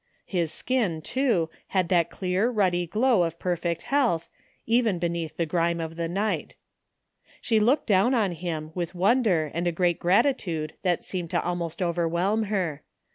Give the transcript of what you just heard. His skin, too, had that clear ruddy glow of perfect health, even be neath the grime of the night. She looked down on him with wonder and a great gratitude that seemed to almost overwhelm her.